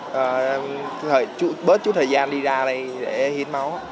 tôi có thể bớt chút thời gian đi ra để hiến máu